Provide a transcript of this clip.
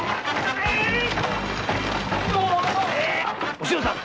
お篠さん